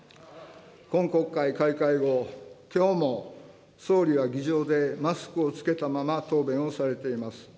今国会開会後、きょうも総理は議場でマスクを着けたまま答弁をされています。